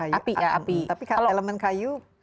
tapi elemen kayu pasti bisa berhasil